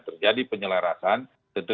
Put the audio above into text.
terjadi penyelarasan tentu